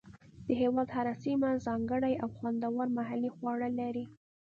د هېواد هره سیمه ځانګړي او خوندور محلي خواړه لري.